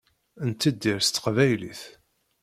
Nettidir s teqbaylit.